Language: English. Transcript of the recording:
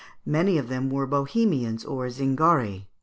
Many of them were Bohemians or Zingari.